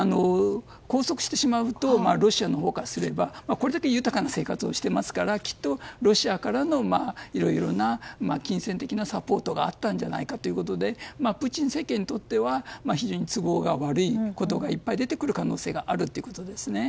拘束してしまうとロシアのほうからすればこれだけ豊かな生活をしていますからきっとロシアからのいろいろな金銭的なサポートがあったんじゃないかということでプーチン政権にとっては非常に都合が悪いことがいっぱい出てくる可能性があるということですね。